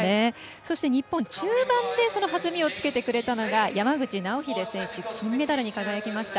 そして、日本中盤で弾みをつけてくれたのが山口尚秀選手金メダルに輝きました。